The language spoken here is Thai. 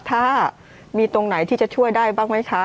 ถ้ามีตรงไหนที่จะช่วยได้บ้างไหมคะ